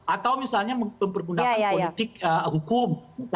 atau misalnya mempergunakan politik hukum